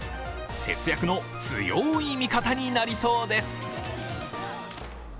節約の強い味方になりそうです。